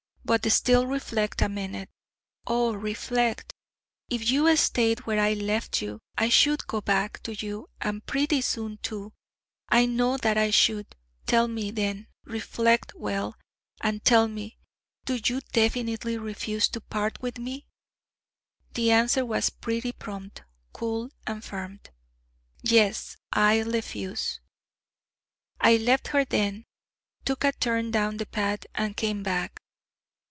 But still, reflect a minute.... O reflect! If you stayed where I left you, I should go back to you, and pretty soon, too: I know that I should. Tell me, then reflect well, and tell me do you definitely refuse to part with me?' The answer was pretty prompt, cool, and firm: 'Yes; I lefuse.' I left her then, took a turn down the path, and came back.